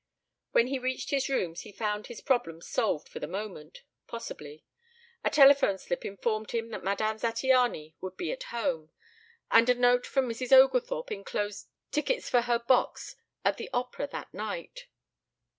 ... When he reached his rooms he found his problem solved for the moment possibly. A telephone slip informed him that Madame Zattiany would be at home, and a note from Mrs. Oglethorpe enclosed tickets for her box at the opera that night.